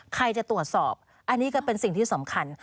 ใครจะตรวจสอบอันนี้ก็เป็นสิ่งที่สำคัญ